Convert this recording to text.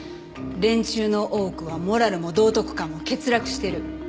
連中の多くはモラルも道徳観も欠落してる。